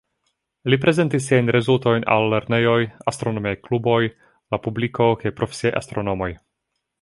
Li prezentis siajn rezultojn al lernejoj, astronomiaj kluboj, la publiko kaj profesiaj astronomoj.